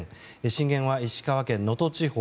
震源は石川県能登地方。